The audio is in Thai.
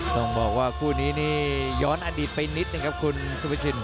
ต้องบอกว่าคู่นี้นี่ย้อนอดีตไปนิดนึงครับคุณสุภาชิน